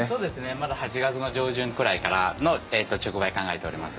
まだ８月の上旬くらいからの直売を考えております。